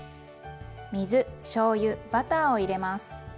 水しょうゆバターを入れます。